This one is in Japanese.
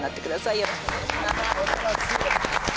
よろしくお願いします